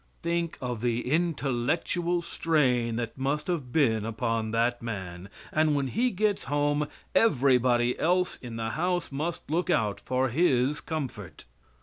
Think of the intellectual strain that must have been upon that man, and when he gets home everybody else in the house must look out for his comfort.